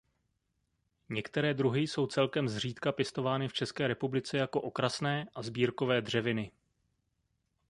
Některé druhy jsou celkem zřídka pěstovány v České republice jako okrasné a sbírkové dřeviny.